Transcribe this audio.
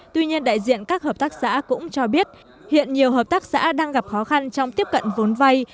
tuy nhiên đại diện các hợp tác xã cũng cho biết hiện nhiều hợp tác xã đang gặp khó khăn trong tiếp cận vốn vay